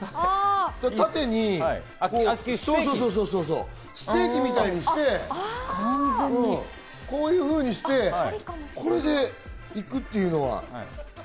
縦にステーキみたいにして、こういうふうにして、これで行くっていうのは。